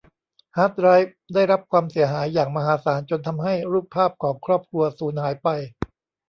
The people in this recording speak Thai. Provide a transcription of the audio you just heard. ฮาร์ดไดรฟ์ได้รับความเสียหายอย่างมหาศาลจนทำให้รูปภาพของครอบครัวสูญหายไป